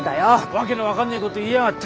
わけの分かんねえこと言いやがって！